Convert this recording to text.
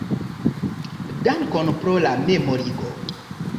Dankon pro la memorigo.